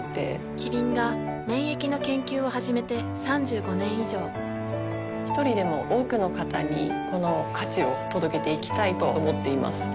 キリンが免疫の研究を始めて３５年以上一人でも多くの方にこの価値を届けていきたいと思っています。